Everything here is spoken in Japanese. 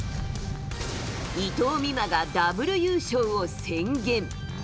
伊藤美誠がダブル優勝を宣言。